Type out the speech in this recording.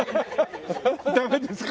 ダメですか？